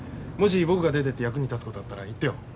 もし僕が出ていって役に立つことあったら言ってよ。